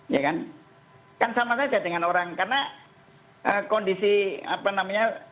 ya kan sama saja dengan orang karena kondisi apa namanya